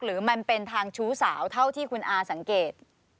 หรือมันเป็นทางชู้สาวเท่าที่คุณอาสังเกต